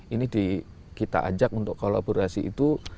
ini kita ajak untuk kolaborasi itu